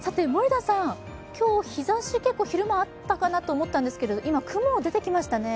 今日、日ざし結構昼間あったかなと思ったんですけど今、雲が出てきましたね。